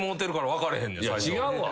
違うわ。